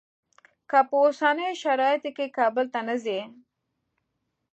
که په اوسنیو شرایطو کې کابل ته نه ځې.